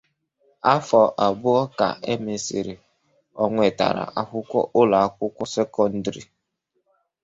Afọ abụọ ka e mesịrị, ọ nwetara akwụkwọ ụlọ akwụkwọ sekọndrị.